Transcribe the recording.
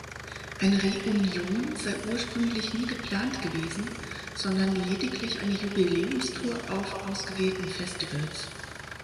Eine Reunion sei ursprünglich nie geplant gewesen, sondern lediglich eine Jubiläumstour auf ausgewählten Festivals.